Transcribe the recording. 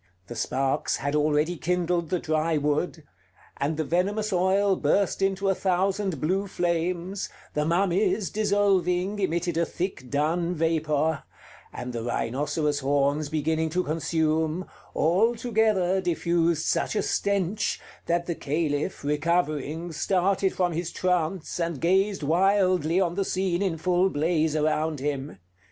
The sparks had already kindled the dry wood; the venomous oil burst into a thousand blue flames; the mummies, dissolving, emitted a thick dun vapor; and the rhinoceros' horns beginning to consume, all together diffused such a stench, that the Caliph, recovering, started from his trance and gazed wildly on the scene in full blaze around him.